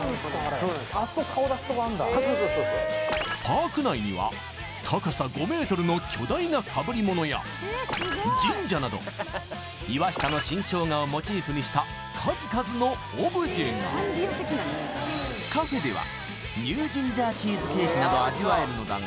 そうそうそうそうパーク内には高さ５ｍの巨大なかぶりものや神社など岩下の新生姜をモチーフにした数々のオブジェがカフェではニュージンジャーチーズケーキなど味わえるのだが